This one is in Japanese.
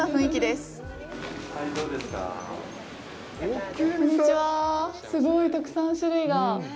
すごいたくさん種類が。